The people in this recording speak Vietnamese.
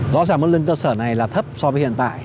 rõ ràng mức lương cơ sở này là thấp so với hiện tại